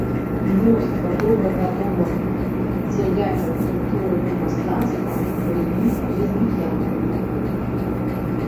Мноства добра вядомых дзяячак культуры і мастацтва былі лесбіянкамі.